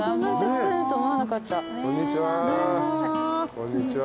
こんにちは。